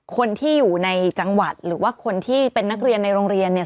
คนที่อยู่ในจังหวัดหรือว่าคนที่เป็นนักเรียนในโรงเรียนเนี่ย